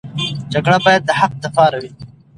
جګړه باید د حق لپاره وي.